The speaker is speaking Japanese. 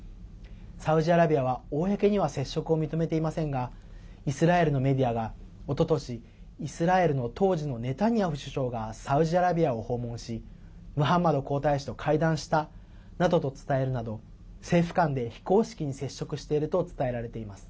サウジアラビアは公には接触を認めていませんがイスラエルのメディアがおととし、イスラエルの当時のネタニヤフ首相がサウジアラビアを訪問しムハンマド皇太子と会談したなどと伝えるなど政府間で非公式に接触していると伝えられています。